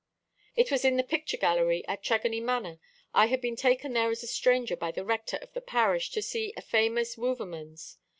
"It was in the picture gallery at Tregony Manor. I had been taken there as a stranger by the Rector of the parish, to see a famous Wouvermans.